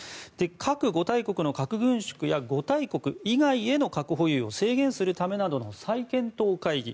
核五大国の核軍縮や五大国以外への核保有を制限するための再検討会議